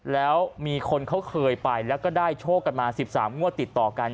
แล้วมีคนเขาเคยไปแล้วก็ได้โชคกันมา๑๓งวดติดต่อกัน